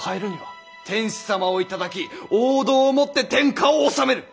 天子様を戴き王道をもって天下を治める。